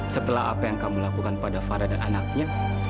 setelah apa yang kamu lakukan pada fara dan anaknya